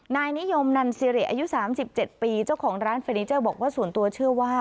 นายนิยมนันซีเระอายุสามสิบเจ็ดปีเจ้าของร้านเฟรนิเจอร์บอกว่าส่วนตัวเชื่อว่า